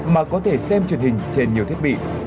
mà có thể xem truyền hình trên nhiều thiết bị